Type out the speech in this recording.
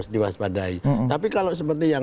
diwaspadai tapi kalau seperti yang